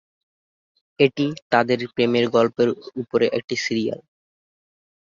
এটি তাদের প্রেমের গল্পের উপরে একটি সিরিয়াল।